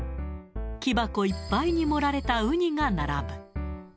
木箱いっぱいに盛られたウニが並ぶ。